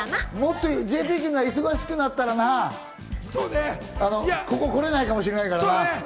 ＪＰ君が忙しくなったらな、ここ来れないかもしれないから。